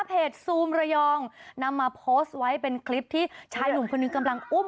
ซูมระยองนำมาโพสต์ไว้เป็นคลิปที่ชายหนุ่มคนหนึ่งกำลังอุ้ม